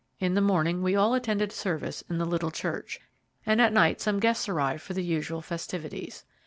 In the morning we all attended service in the little church, and at night some guests arrived for the usual festivities.